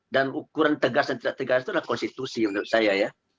dan ukuran tegas dan tidak tegas itu adalah konstitusi menurut saya ya